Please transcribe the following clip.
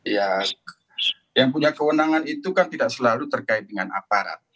ya yang punya kewenangan itu kan tidak selalu terkait dengan aparat